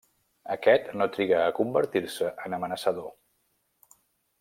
Aquest no triga a convertir-se en amenaçador.